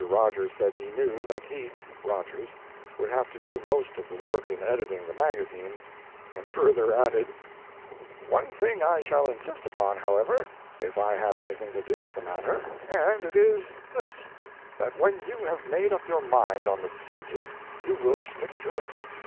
Rogers said he knew that he [Rogers] would have to do most of the work in editing the magazine, and further added: One thing I shall insist upon, however, if I have anything to do with the matter, and it is this: that when you have made up your mind on the subject you will stick to it.